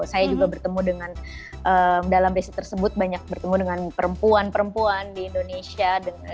saya juga bertemu dengan dalam basic tersebut banyak bertemu dengan perempuan perempuan di indonesia